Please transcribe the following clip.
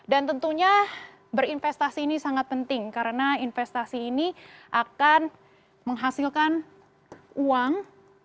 dan tentunya berinvestasi ini sangat penting karena investasi ini akan menghasilkan uang